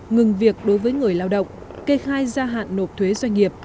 ngừng việc đối với người lao động kê khai gia hạn nộp thuế doanh nghiệp